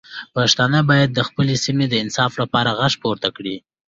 پښتانه باید د خپلې سیمې د انصاف لپاره غږ پورته کړي.